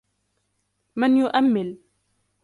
مَنْ يُؤَمِّلُ